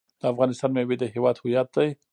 د افغانستان میوې د هیواد هویت دی.